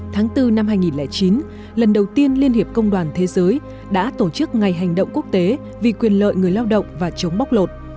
tháng bốn năm hai nghìn chín lần đầu tiên liên hiệp công đoàn thế giới đã tổ chức ngày hành động quốc tế vì quyền lợi người lao động và chống bóc lột